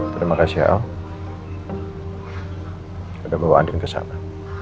terima kasih al udah bawa andin ke sana